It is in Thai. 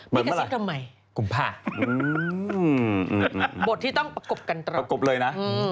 เหมือนอะไรกลุ่มผ้าบทที่ต้องประกบกันตรอดประกบเลยนะ